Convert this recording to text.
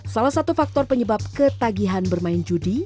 salah satu faktor penyebab ketagihan bermain judi